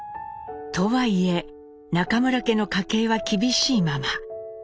とはいえ中村家の家計は厳しいまま。